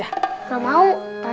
gak mau tante mau ngejebak